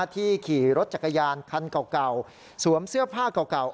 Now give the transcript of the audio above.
ที่ขี่รถจักรยานคันเก่าสวมเสื้อผ้าเก่า